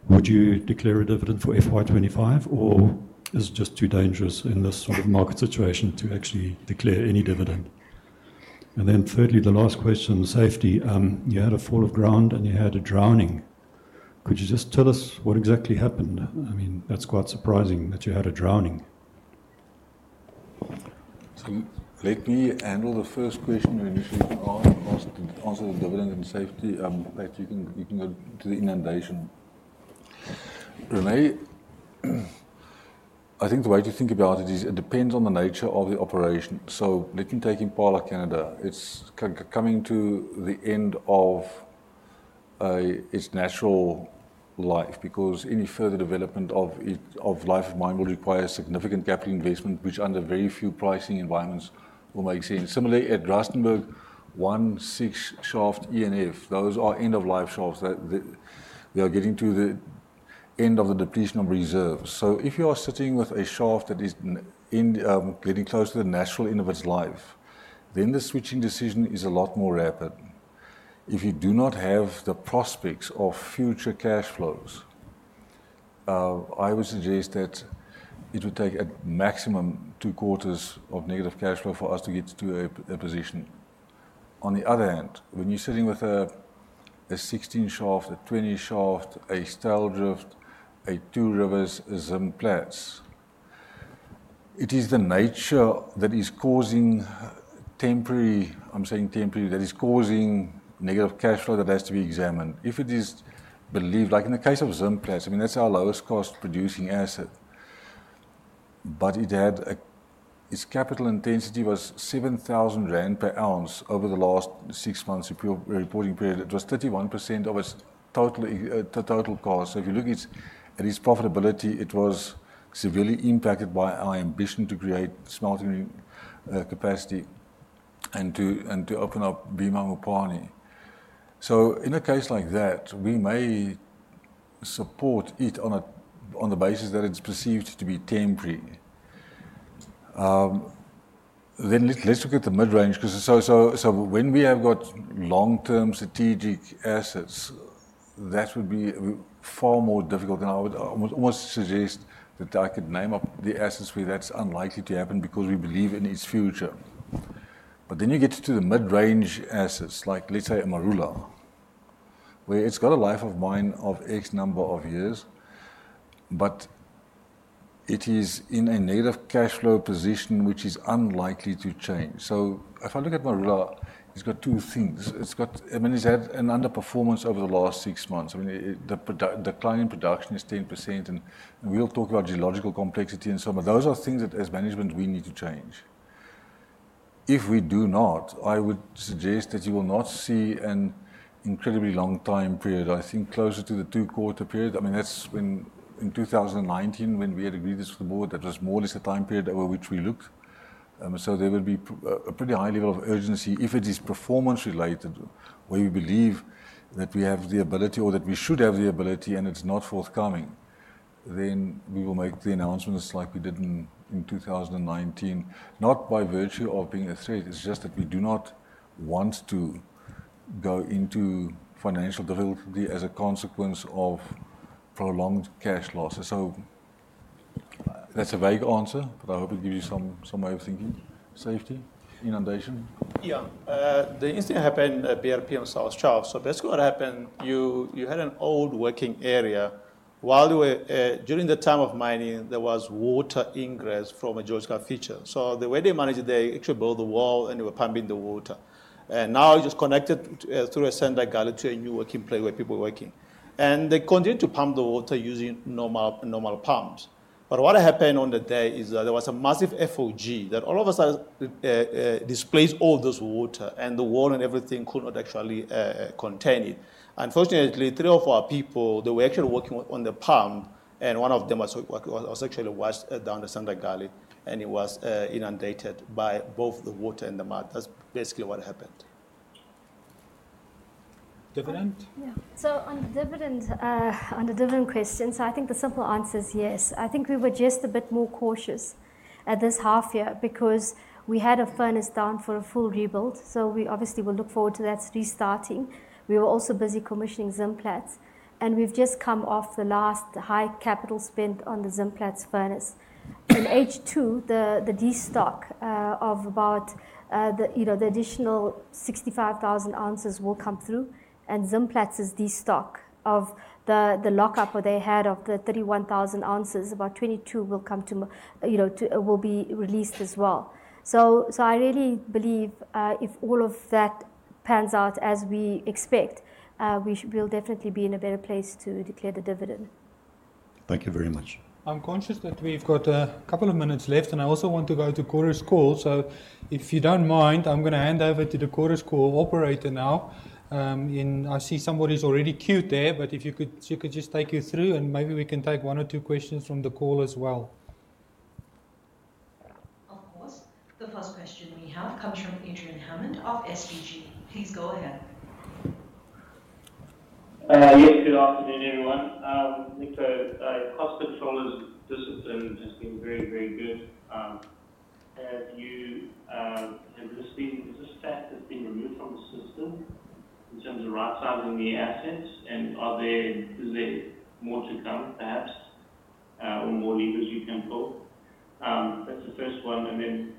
would you declare a dividend for FY 2025? Or is it just too dangerous in this sort of market situation to actually declare any dividend? And then thirdly, the last question, safety. You had a fall of ground and you had a drowning. Could you just tell us what exactly happened? I mean, that's quite surprising that you had a drowning. Let me handle the first question initially to answer the dividend and safety. I'm glad you can go to the inundation. René, I think the way to think about it is it depends on the nature of the operation, so let me take Impala Canada. It's coming to the end of its natural life because any further development of life of mine will require significant capital investment, which under very few pricing environments will make sense. Similarly, at Rustenburg, 16 shaft and those are end-of-life shafts. They are getting to the end of the depletion of reserves, so if you are sitting with a shaft that is getting close to the natural end of its life, then the switching decision is a lot more rapid. If you do not have the prospects of future cash flows, I would suggest that it would take at maximum two quarters of negative cash flow for us to get to a position. On the other hand, when you're sitting with a 16 shaft, a 20 shaft, a Styldrift, a Two Rivers, a Zimplats, it is the nature that is causing temporary, I'm saying temporary, that is causing negative cash flow that has to be examined. If it is believed, like in the case of Zimplats, I mean, that's our lowest cost-producing asset. But its capital intensity was 7,000 rand per ounce over the last six months' reporting period. It was 31% of its total cost. So if you look at its profitability, it was severely impacted by our ambition to create smelting capacity and to open up Bimha and Mupani. So in a case like that, we may support it on the basis that it's perceived to be temporary. Then let's look at the mid-range because when we have got long-term strategic assets, that would be far more difficult. And I would almost suggest that I could name up the assets where that's unlikely to happen because we believe in its future. But then you get to the mid-range assets, like let's say Marula, where it's got a life of mine of x number of years, but it is in a negative cash flow position, which is unlikely to change. So if I look at Marula, it's got two things. I mean, it's had an underperformance over the last six months. I mean, the client production is 10%, and we'll talk about geological complexity and so on. But those are things that as management, we need to change. If we do not, I would suggest that you will not see an incredibly long time period. I think closer to the two-quarter period. I mean, that's when in 2019, when we had agreed this with the board, that was more or less the time period over which we looked. So there would be a pretty high level of urgency. If it is performance-related, where we believe that we have the ability or that we should have the ability and it's not forthcoming, then we will make the announcements like we did in 2019, not by virtue of being a threat. It's just that we do not want to go into financial difficulty as a consequence of prolonged cash losses. So that's a vague answer, but I hope it gives you some way of thinking. Safety, inundation. Yeah. The incident happened at BRPM on South Shaft, so basically what happened, you had an old working area, while during the time of mining, there was water ingress from a geological feature, so the way they managed, they actually built the wall and they were pumping the water, and now it was connected through a standard gully to a new working place where people were working, and they continued to pump the water using normal pumps, but what happened on the day is that there was a massive FOG that all of a sudden displaced all this water, and the wall and everything could not actually contain it. Unfortunately, three or four people, they were actually working on the pump, and one of them was actually washed down the standard gully, and it was inundated by both the water and the mud. That's basically what happened. Dividend? Yeah. So on the dividend question, so I think the simple answer is yes. I think we were just a bit more cautious at this half year because we had a furnace down for a full rebuild. So we obviously will look forward to that restarting. We were also busy commissioning Zimplats. And we've just come off the last high capital spent on the Zimplats furnace. In H2, the destock of about the additional 65,000 ounces will come through. And Zimplats' destock of the lockup that they had of the 31,000 ounces, about 22,000 will be released as well. So I really believe if all of that pans out as we expect, we'll definitely be in a better place to declare the dividend. Thank you very much. I'm conscious that we've got a couple of minutes left, and I also want to go to Q&A call. So if you don't mind, I'm going to hand over to the Q&A call operator now. I see somebody's already queued there, but if you could just take us through, and maybe we can take one or two questions from the call as well. Of course. The first question we have comes from Adrian Hammond of SBG. Please go ahead. Yes, good afternoon, everyone. Nico, capital discipline has been very, very good. Have you had this staff that's been removed from the system in terms of rightsizing the assets? And is there more to come, perhaps, or more levers you can pull? That's the first one. And then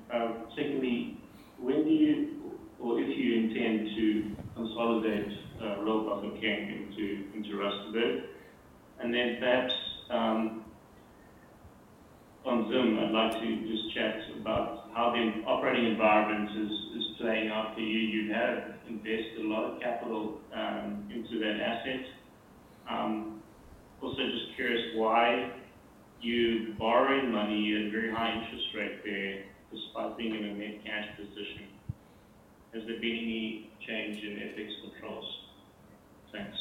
secondly, when do you, or if you, intend to consolidate Royal Bafokeng into Rustenburg? And then perhaps on Zim, I'd like to just chat about how the operating environment is playing out for you. You have invested a lot of capital into that asset. Also, just curious why you're borrowing money at a very high interest rate there despite being in a net cash position. Has there been any change in exchange controls? Thanks.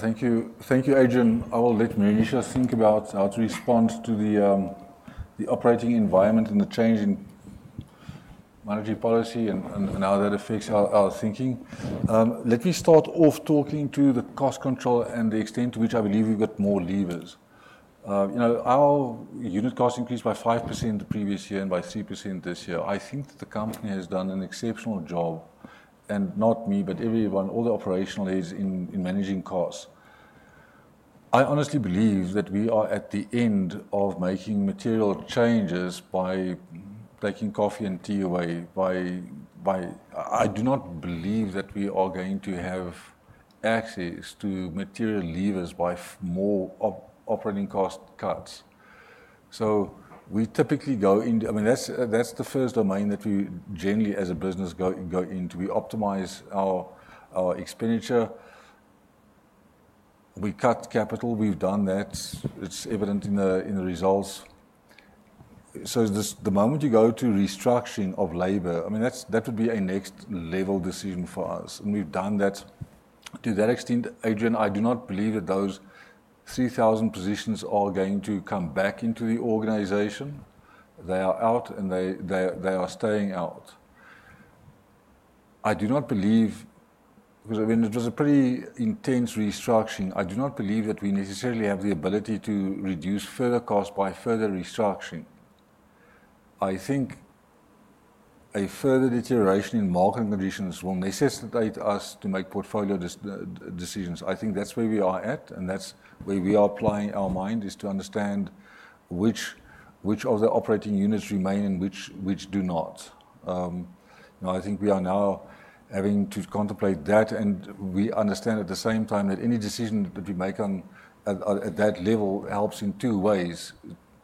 Thank you. Thank you, Adrian. I will let Meroonisha think about how to respond to the operating environment and the change in monetary policy and how that affects our thinking. Let me start off talking to the cost control and the extent to which I believe we've got more levers. Our unit cost increased by 5% the previous year and by 3% this year. I think that the company has done an exceptional job, and not me, but everyone, all the operational liaison in managing costs. I honestly believe that we are at the end of making material changes by taking coffee and tea away. I do not believe that we are going to have access to material levers by more operating cost cuts. So we typically go into, I mean, that's the first domain that we generally as a business go into. We optimize our expenditure. We cut capital. We've done that. It's evident in the results. So the moment you go to restructuring of labor, I mean, that would be a next-level decision for us. And we've done that to that extent. Adrian, I do not believe that those 3,000 positions are going to come back into the organization. They are out, and they are staying out. I do not believe because it was a pretty intense restructuring. I do not believe that we necessarily have the ability to reduce further costs by further restructuring. I think a further deterioration in market conditions will necessitate us to make portfolio decisions. I think that's where we are at, and that's where we are applying our mind is to understand which of the operating units remain and which do not. I think we are now having to contemplate that. We understand at the same time that any decision that we make at that level helps in two ways.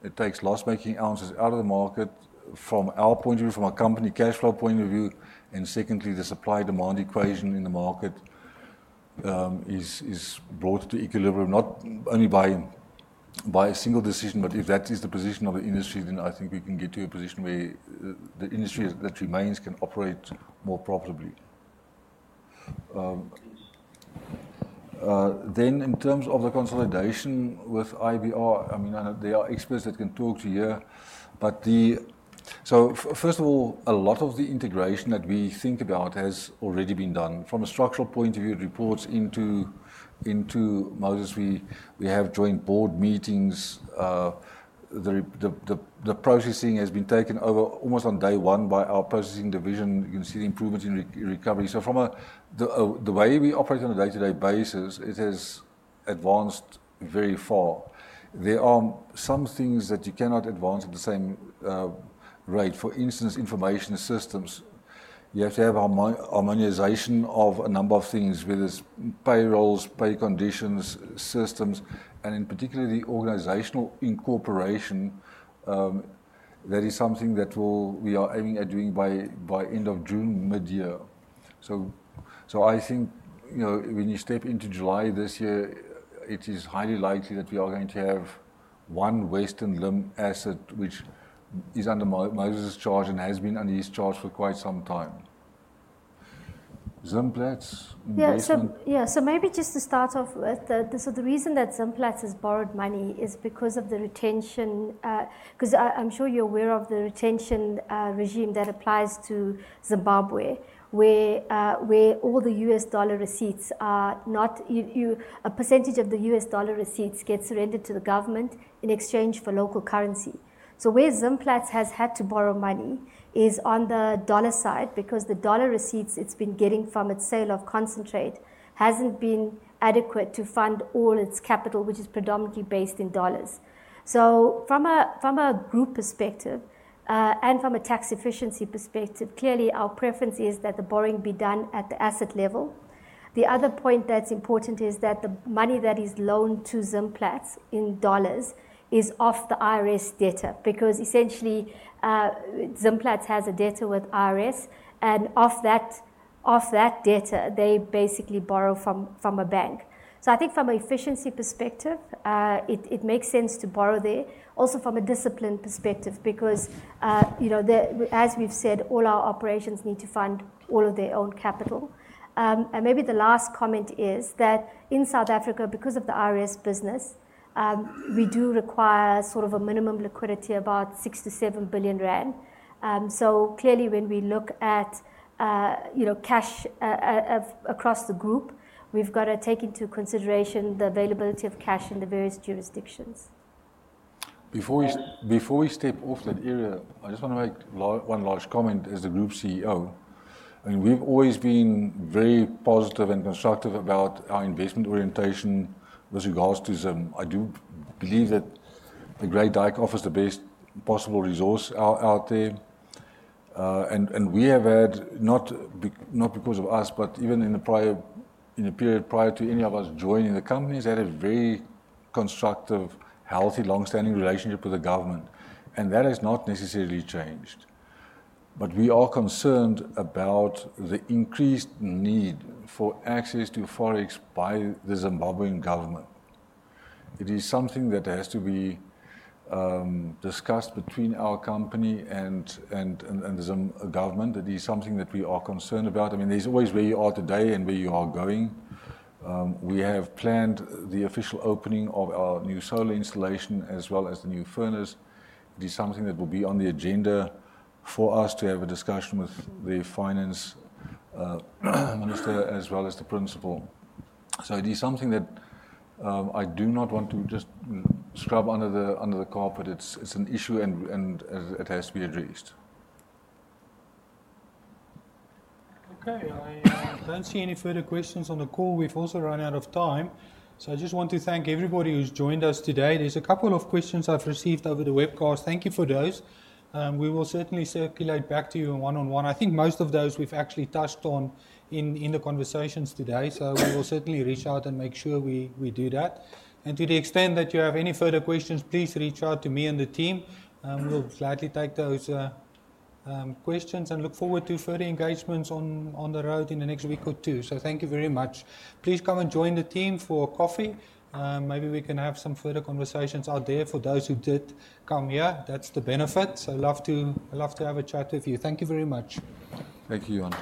It takes loss-making ounces out of the market from our point of view, from a company cash flow point of view. Secondly, the supply-demand equation in the market is brought to equilibrium not only by a single decision, but if that is the position of the industry, then I think we can get to a position where the industry that remains can operate more profitably. In terms of the consolidation with IBR, I mean, there are experts that can talk to you. First of all, a lot of the integration that we think about has already been done from a structural point of view, reports into Moses. We have joined board meetings. The processing has been taken over almost on day one by our processing division. You can see the improvements in recovery. So from the way we operate on a day-to-day basis, it has advanced very far. There are some things that you cannot advance at the same rate. For instance, information systems. You have to have harmonization of a number of things, whether it's payrolls, pay conditions, systems, and in particular, the organizational incorporation. That is something that we are aiming at doing by end of June, mid-year. So I think when you step into July this year, it is highly likely that we are going to have one Western Limb asset, which is under Moses's charge and has been under his charge for quite some time. Zimplats. Yeah. Maybe just to start off with, the reason that Zimplats has borrowed money is because of the retention because I'm sure you're aware of the retention regime that applies to Zimbabwe, where all the US dollar receipts are not a percentage of the US dollar receipts gets rendered to the government in exchange for local currency. So where Zimplats has had to borrow money is on the dollar side because the dollar receipts it's been getting from its sale of concentrate hasn't been adequate to fund all its capital, which is predominantly based in dollars. From a group perspective and from a tax efficiency perspective, clearly our preference is that the borrowing be done at the asset level. The other point that's important is that the money that is loaned to Zimplats in dollars is off the IRS debt because essentially Zimplats has a debt with IRS, and off that debt, they basically borrow from a bank. So I think from an efficiency perspective, it makes sense to borrow there. Also from a discipline perspective because as we've said, all our operations need to fund all of their own capital. Maybe the last comment is that in South Africa, because of the IRS business, we do require sort of a minimum liquidity of about 6 billion-7 billion rand. So clearly when we look at cash across the group, we've got to take into consideration the availability of cash in the various jurisdictions. Before we step off that area, I just want to make one last comment as the group CEO. I mean, we've always been very positive and constructive about our investment orientation with regards to Zim. I do believe that the Great Dyke offers the best possible resource out there, and we have had, not because of us, but even in the period prior to any of us joining the companies, had a very constructive, healthy, long-standing relationship with the government, and that has not necessarily changed, but we are concerned about the increased need for access to forex by the Zimbabwean government. It is something that has to be discussed between our company and the government. It is something that we are concerned about. I mean, there's always where you are today and where you are going. We have planned the official opening of our new solar installation as well as the new furnace. It is something that will be on the agenda for us to have a discussion with the finance minister as well as the principal, so it is something that I do not want to just sweep under the carpet. It's an issue, and it has to be addressed. Okay. I don't see any further questions on the call. We've also run out of time. So I just want to thank everybody who's joined us today. There's a couple of questions I've received over the webcast. Thank you for those. We will certainly circulate back to you one-on-one. I think most of those we've actually touched on in the conversations today. So we will certainly reach out and make sure we do that. And to the extent that you have any further questions, please reach out to me and the team. We'll gladly take those questions and look forward to further engagements on the road in the next week or two. So thank you very much. Please come and join the team for coffee. Maybe we can have some further conversations out there for those who did come here. That's the benefit. So I'd love to have a chat with you. Thank you very much. Thank you, Johan.